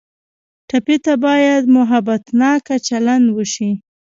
ټپي ته باید محبتناکه چلند وشي.